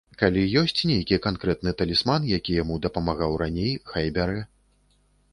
Калі ёсць нейкі канкрэтны талісман, які яму дапамагаў раней, хай бярэ.